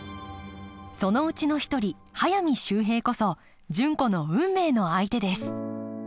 そのうちの一人速水秀平こそ純子の運命の相手です